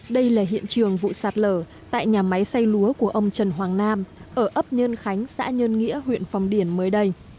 đây là hiện trường vụ sạt lở tại nhà máy xây lúa của ông trần hoàng nam ở ấp nhân khánh xã nhân nghĩa huyện phong điền mới đây